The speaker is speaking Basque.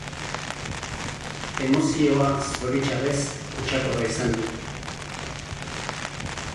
Emozioa, zoritxarrez, kutsakorra izan duk.